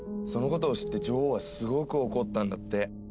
そのことを知って女王はすごく怒ったんだって。